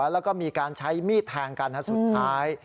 แล้วก็มีการใช้มีดแทงกันสุดท้าย